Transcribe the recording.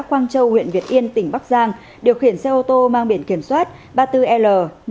quang châu huyện việt yên tỉnh bắc giang điều khiển xe ô tô mang biển kiểm soát ba mươi bốn l năm nghìn ba trăm tám mươi năm